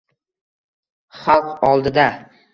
Xalq oldida